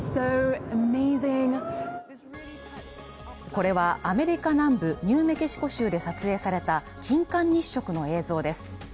これはアメリカ南部ニューメキシコ州で撮影された金環日食の映像です。